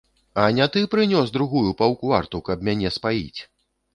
А не ты прынёс другую паўкварту, каб мяне спаіць?